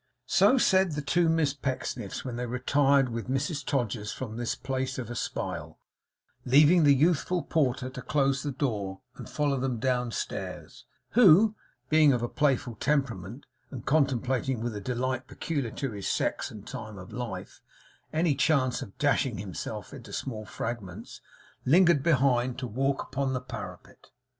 So said the two Miss Pecksniffs, when they retired with Mrs Todgers from this place of espial, leaving the youthful porter to close the door and follow them downstairs; who, being of a playful temperament, and contemplating with a delight peculiar to his sex and time of life, any chance of dashing himself into small fragments, lingered behind to walk upon the parapet.